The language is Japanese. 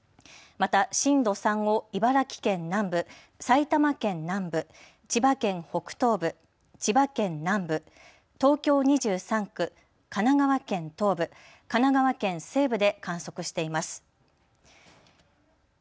また震度３を茨城県南部、埼玉県南部、千葉県北東部、千葉県南部、東京２３区、神奈川県東部、神奈川県西部で観測しています。